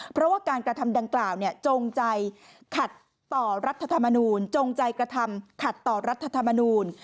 เพราะว่าการกระทำดังกล่าวจงใจกระทำขัดต่อรัฐธรรมนูญ